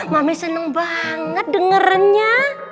mami seneng banget dengernya